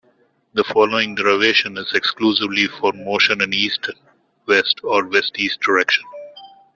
The following derivation is exclusively for motion in east-west or west-east direction.